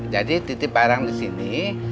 jadi titip barang di sini